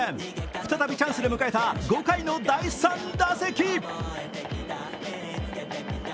再びチャンスで迎えた５回の第３打席。